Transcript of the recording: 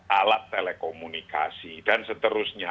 alat telekomunikasi dan seterusnya